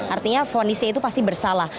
artinya fonisnya itu pasti bersalah